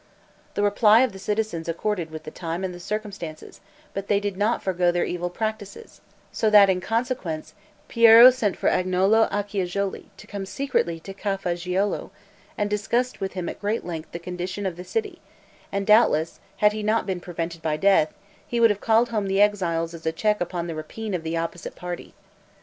The reply of the citizens accorded with the time and circumstances, but they did not forego their evil practices; so that, in consequence, Piero sent for Agnolo Acciajuoli to come secretly to Cafaggiolo, and discussed with him at great length the condition of the city; and doubtless, had he not been prevented by death, he would have called home the exiles as a check upon the rapine of the opposite party.